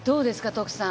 徳さん。